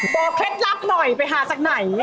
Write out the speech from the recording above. เคล็ดลับหน่อยไปหาจากไหน